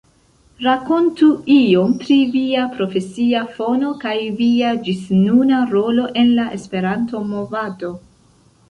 Rakontu iom pri via profesia fono kaj via ĝisnuna rolo en la Esperanto-Movado!